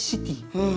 うん。